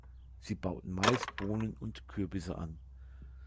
Sie bauten Mais, Bohnen und Kürbisse an.